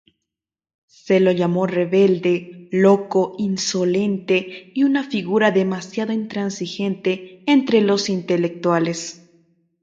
Se lo llamó rebelde, loco, insolente y una figura demasiado intransigente entre los intelectuales.